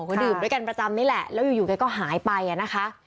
ก็ดื่มด้วยกันประจำนี่แหละแล้วอยู่แกก็หายไปอ่ะนะคะ